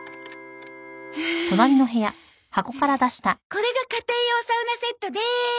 これが家庭用サウナセットです。